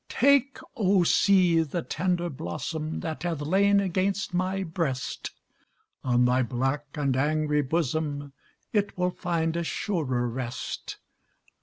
Take, O, sea! the tender blossom That hath lain against my breast; On thy black and angry bosom It will find a surer rest.